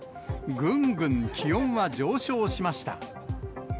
ぐんぐん気温は上昇しました。